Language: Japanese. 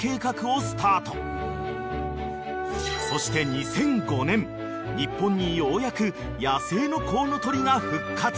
［そして２００５年日本にようやく野生のコウノトリが復活］